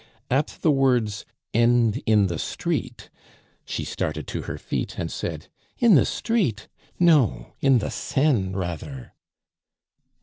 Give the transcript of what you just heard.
At the words, "End in the street," she started to her feet and said: "In the street! No, in the Seine rather."